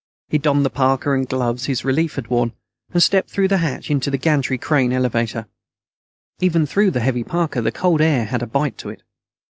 He donned the parka and gloves his relief had worn, and stepped through the hatch onto the gantry crane elevator. Even through the heavy parka, the cold air had a bite to it.